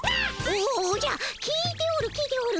おおおじゃ聞いておる聞いておる。